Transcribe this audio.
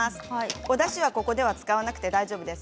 おだしはここでは使わなくて大丈夫です。